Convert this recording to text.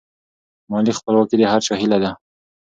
مالي خپلواکي د هر چا هیله ده.